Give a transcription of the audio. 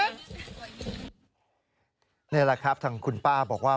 นี่แหละครับทางคุณป้าบอกว่า